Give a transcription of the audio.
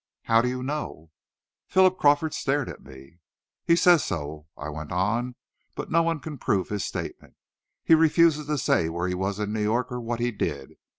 "How do you know?" Philip Crawford stared at me. "He says so," I went on; "but no one can prove his statement. He refuses to say where he was in New York, or what he did.